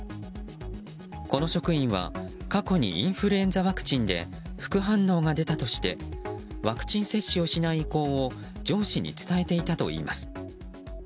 この職員は過去にインフルエンザワクチンで副反応が出たとしてワクチン接種をしない意向を上司に伝えていたといいます。